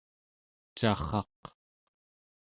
carraq